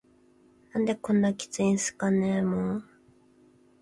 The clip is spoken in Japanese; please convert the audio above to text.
「何でこんなキツいんすかねぇ～も～…」